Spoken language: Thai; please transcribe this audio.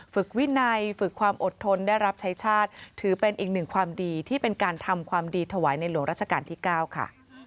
ฝึกวินัยฝึกความอดทนได้รับใช้ชาติถือเป็นอีกหนึ่งความดีที่เป็นการทำความดีถวายในหลวงราชการที่๙ค่ะ